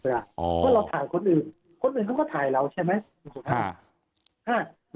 เพราะเราถ่ายคนอื่นคนอื่นก็ถ่ายเราใช่ไหม